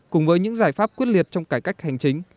cùng với những giải pháp quyết liệt trong cải cách hành chính